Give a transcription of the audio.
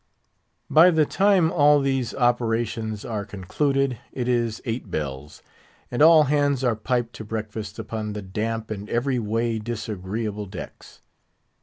By the time all these operations are concluded it is eight bell's, and all hands are piped to breakfast upon the damp and every way disagreeable decks.